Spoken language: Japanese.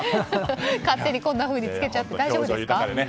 勝手にこんなふうにつけちゃって大丈夫ですか？